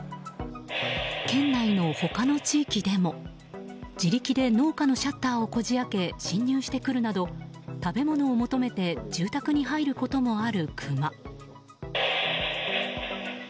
県内の他の地域でも、自力で農家のシャッターをこじ開け侵入してくるなど食べ物を求めて住宅に入ることもあるクマ。